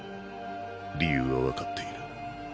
理由はわかっている。